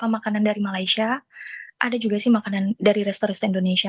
makanan dari malaysia ada juga sih makanan dari restoran indonesia